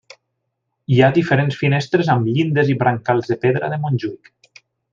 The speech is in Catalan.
Hi ha diferents finestres amb llindes i brancals de pedra de Montjuïc.